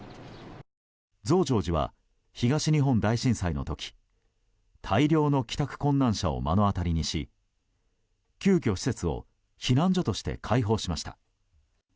増上寺は東日本大震災の時大量の帰宅困難者を目の当たりにし急きょ、施設を避難所として開放しました。